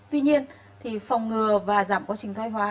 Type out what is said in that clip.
tuy nhiên thì phòng ngừa và giảm quá trình thoai hóa